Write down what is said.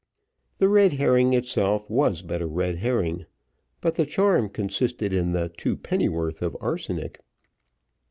The red herring itself was but a red herring, but the charm consisted in the two pennyworth of arsenic.